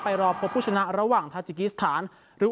รอพบผู้ชนะระหว่างทาจิกิสถาน